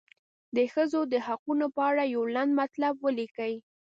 د ښځو د حقونو په اړه یو لنډ مطلب ولیکئ.